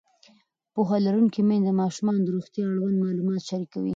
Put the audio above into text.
پوهه لرونکې میندې د ماشومانو د روغتیا اړوند معلومات شریکوي.